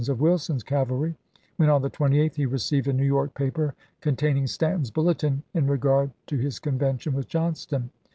of Wilson's cavalry, when on the 28th he received a New York paper containing Stanton's bulletin in regard to his convention with Johnston.